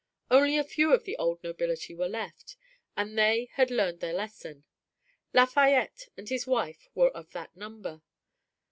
Only a few of the old nobility were left, and they had learned their lesson. Lafayette and his wife were of that number.